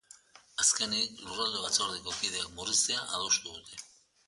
Azkenik, lurralde batzordeko kideak murriztea adostu dute.